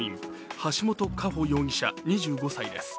橋本佳歩容疑者２５歳です。